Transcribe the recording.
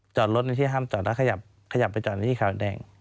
จอดรถในที่ห้ามจอดแล้วขยับไปจอดที่ขาวแดง